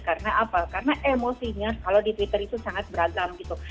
karena apa karena emosinya kalau di twitter itu sangat beragam gitu